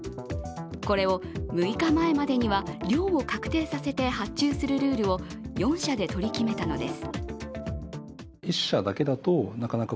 これを６日前までには量を確定させて発注するルールを４社で取り決めたのです。